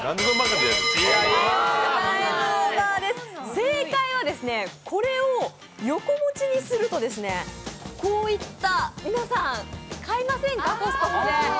正解は、これを横持ちにすると、こいったものを皆さん、買いませんか？